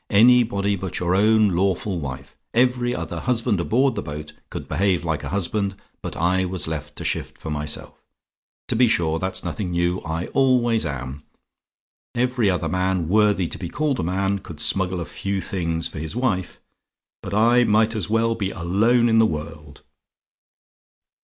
anybody but your own lawful wife. Every other husband aboard the boat could behave like a husband but I was left to shift for myself. To be sure, that's nothing new; I always am. Every other man, worthy to be called a man, could smuggle a few things for his wife but I might as well be alone in the world.